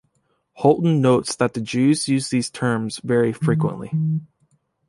Hotten noted that The Jews use these terms very frequently.